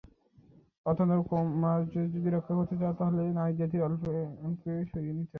অতএব কৌমার্য যদি রক্ষা করতে চাও তা হলে নারীজাতিকে অল্পে অল্পে সইয়ে নিতে হবে।